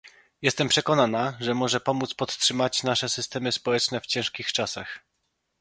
Jestem przekonana, że może pomóc podtrzymać nasze systemy społeczne w ciężkich czasach